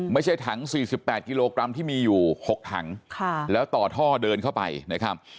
ไม่ใช่ถัง๔๘กิโลกรัมที่มีอยู่๖ถังแล้วต่อท่อเดินเข้าไปนะครับ